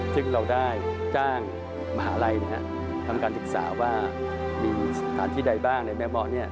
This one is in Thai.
ซึ่งเราได้จ้างมหาลัยทำการศึกษาว่ามีสถานที่ใดบ้างในแม่เมาะ